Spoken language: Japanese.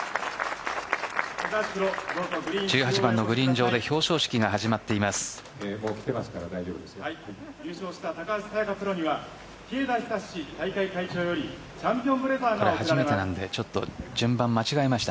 １８番のグリーン上で表彰式が始まっています。